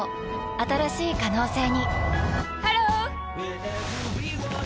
新しい可能性にハロー！